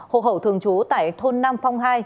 hộ khẩu thường chú tại thôn nam phong hai